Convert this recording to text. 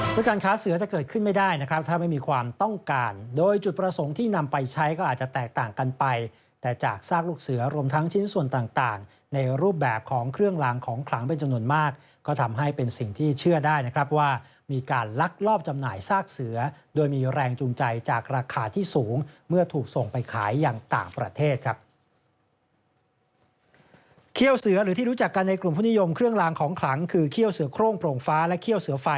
ซึ่งการค้าเสือจะเกิดขึ้นไม่ได้นะครับถ้าไม่มีความต้องการโดยจุดประสงค์ที่นำไปใช้ก็อาจจะแตกต่างกันไปแต่จากซากลูกเสือรวมทั้งชิ้นส่วนต่างในรูปแบบของเครื่องลางของขลังเป็นจำนวนมากก็ทำให้เป็นสิ่งที่เชื่อได้นะครับว่ามีการลักลอบจำหน่ายซากเสือโดยมีแรงจูงใจจากราคาที่สูงเมื่อถูกส่งไปขายอย่างต่างประเทศครับ